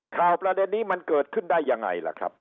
ประเด็นนี้มันเกิดขึ้นได้ยังไงล่ะครับ